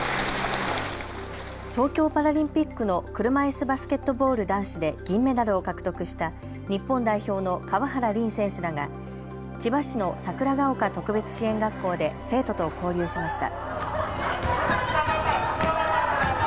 東京パラリンピックの車いすバスケットボール男子で銀メダルを獲得した日本代表の川原凛選手らが千葉市の桜が丘特別支援学校で生徒と交流しました。